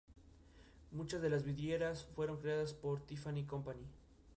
Muchas de las vidrieras fueron creadas por Tiffany Company.